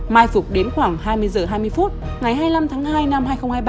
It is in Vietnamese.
mai phục đến khoảng hai mươi h hai mươi phút ngày hai mươi năm tháng hai năm hai nghìn hai mươi ba